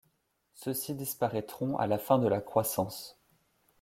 Ceux-ci disparaîtront à la fin de la croissance.